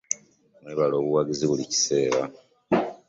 Mwebale obuwagizi buli kiseera.